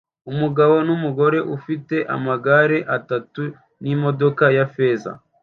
Umugabo numugore ufite amagare atatu nimodoka ya feza